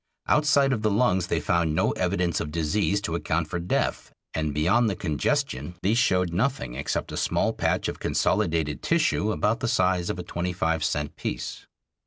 Outside of the lungs they found no evidence of disease to account for death, and beyond the congestion these showed nothing except a small patch of consolidated tissue about the size of a twenty five cent piece.